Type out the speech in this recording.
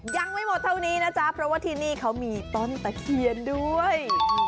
ยังไม่หมดเท่านี้นะจ๊ะเพราะว่าที่นี่เขามีต้นตะเคียนด้วย